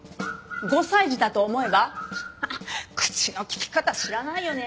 ５歳児だと思えば「口の利き方知らないよね」